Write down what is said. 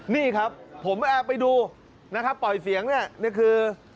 นี่ครับผมแอบไปดูปล่อยเสียงนี่คือ